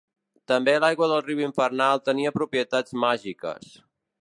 També l'aigua del riu infernal tenia propietats màgiques.